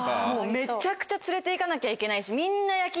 めちゃくちゃ連れて行かなきゃいけないし。